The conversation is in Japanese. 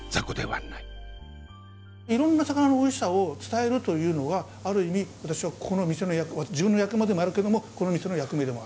いろんな魚のおいしさを伝えるというのはある意味私は自分の役目でもあるけどもこの店の役目でもある。